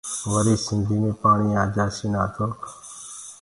وري سنڌيٚ مي پاڻيٚ آجآسيٚ نآ تو